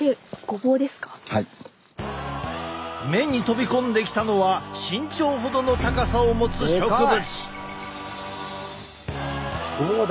目に飛び込んできたのは身長ほどの高さを持つ植物！